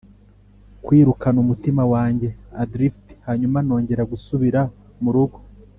kwirukana umutima wanjye adrift hanyuma nongera gusubira murugo